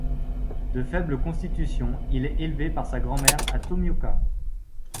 De faible constitution, il est élevé par sa grand-mère à Tomioka.